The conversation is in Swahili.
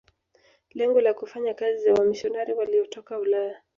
Lengo la kufanya kazi za wamisionari waliotoka Ulaya